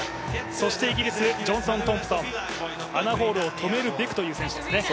そしてイギリス、ジョンソン・トンプソン、アナ・ホールを止めるべくという選手ですね。